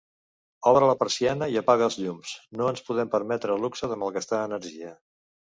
Obre la persiana i apaga els llums, no ens podem permetre el luxe de malgastar energia!